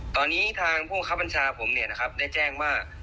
ตอนนี้ทางผู้ขับบัญชาผมเนี่ยนะครับได้แจ้งว่า